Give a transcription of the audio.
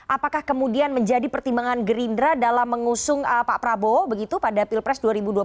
apakah kemudian menjadi pertimbangan gerindra dalam mengusung pak prabowo begitu pada pilpres dua ribu dua puluh